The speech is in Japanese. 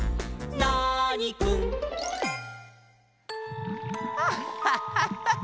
ナーニくん」アッハハハハ